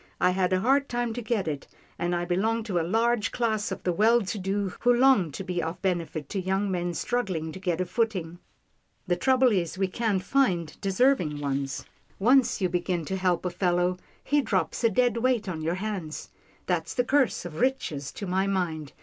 I had a hard time to get it, and I belong to a large class of the well to do who wish, who long to be of benefit to young men struggling to get a footing. The trouble is we can't find deserving ones. Once you begin to help a fellow, he drops a dead weight on your hands. That's the curse of riches to my mind.